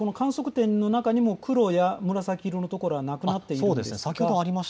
この観測点の中にも黒や紫色の所はなくなっています。